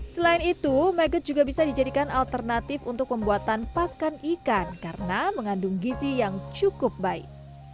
selain itu megat juga bisa dijadikan alternatif untuk pembuatan pakan ikan karena mengandung gizi yang cukup baik